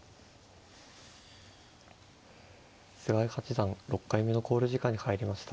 菅井八段６回目の考慮時間に入りました。